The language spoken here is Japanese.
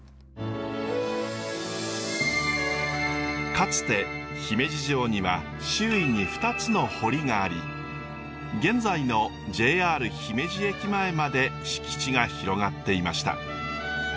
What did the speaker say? かつて姫路城には周囲に２つの堀があり現在のＪＲ姫路駅前まで敷地が広がっていました。